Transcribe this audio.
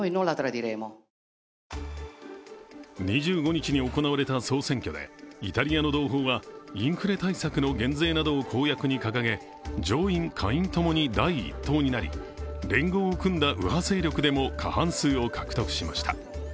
２５日に行われた総選挙でイタリアの同胞はインフレ対策の減税などを公約に掲げ、上院・下院ともに第１党になり、連合を組んだ右派勢力でも過半数を獲得しました。